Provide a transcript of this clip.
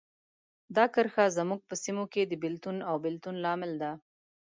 دا کرښه زموږ په سیمو کې د بېلتون او بیلتون لامل ده.